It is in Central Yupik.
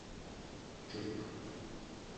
cuk